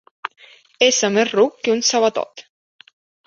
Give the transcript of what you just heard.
Ésser més ruc que un sabatot.